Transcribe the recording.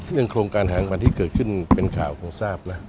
โครงการหางบันที่เกิดขึ้นเป็นข่าวคงทราบนะ